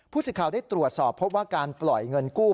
สิทธิ์ข่าวได้ตรวจสอบพบว่าการปล่อยเงินกู้